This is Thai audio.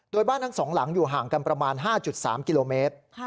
โดยบ้านทั้ง๒หลังอยู่ห่างกันประมาณ๕๓กิโลเมตร